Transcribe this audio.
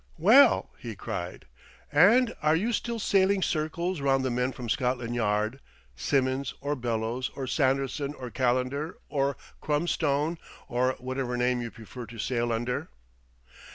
"Well!" he cried. "And are you still sailing circles round the men from Scotland Yard, Simmons, or Bellows, or Sanderson, or Calendar, or Crumbstone, or whatever name you prefer to sail under?"